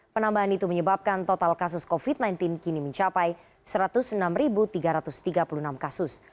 penambahan itu menyebabkan total kasus covid sembilan belas kini mencapai satu ratus enam tiga ratus tiga puluh enam kasus